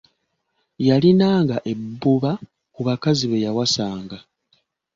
Yalinanga ebbuba ku bakazi be yawasanga.